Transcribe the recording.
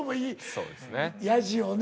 そうですね。